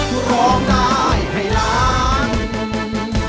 คุณควรร้องได้ให้รัก